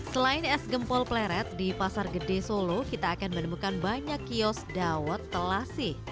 selain es gempol pleret di pasar gede solo kita akan menemukan banyak kios dawet telasi